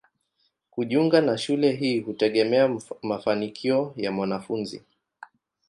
Kujiunga na shule hii hutegemea mafanikio ya mwanafunzi.